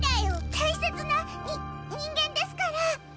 大切なに人間ですから。